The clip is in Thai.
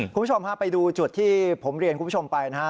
คุณผู้ชมฮะไปดูจุดที่ผมเรียนคุณผู้ชมไปนะฮะ